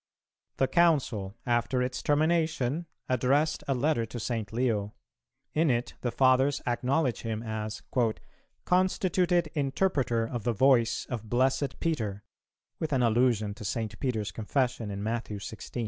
The Council, after its termination, addressed a letter to St. Leo; in it the Fathers acknowledge him as "constituted interpreter of the voice of Blessed Peter,"[311:1] (with an allusion to St. Peter's Confession in Matthew xvi.